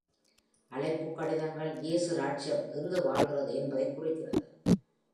அழைப்பு கடிதங்கள் இயேசு ராஜ்யம் எங்கு வாழ்கிறது என்பதைக் குறிக்கிறது.